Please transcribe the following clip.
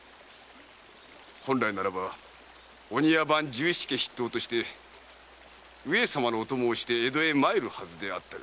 本来ならばお庭番十七家筆頭として上様のお供をして江戸へ参るはずであったが。